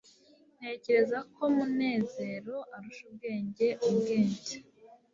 ntekereza ko munezero arusha ubwenge ubwenge